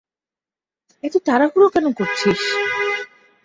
এত তাড়াহুড়ো কেন করছিস?